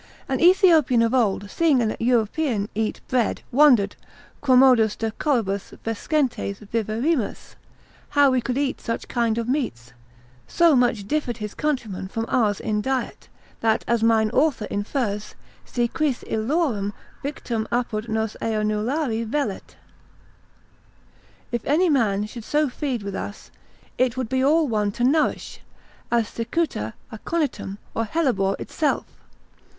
An Ethiopian of old seeing an European eat bread, wondered, quomodo stercoribus vescentes viverimus, how we could eat such kind of meats: so much differed his countrymen from ours in diet, that as mine author infers, si quis illorum victum apud nos aemulari vellet; if any man should so feed with us, it would be all one to nourish, as Cicuta, Aconitum, or Hellebore itself.